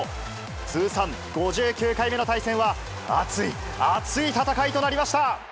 通算５９回目の対戦は、熱い、熱い戦いとなりました。